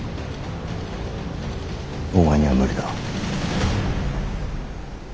お前には無理だ。